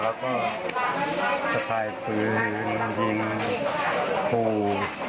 แล้วก็สะพายปืนยิงขู่